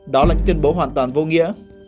đó là những tuyên bố hoàn toàn vô nghĩa